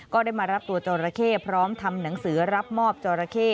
ก็ได้มารับตัวจอราเข้พร้อมทำหนังสือรับมอบจอราเข้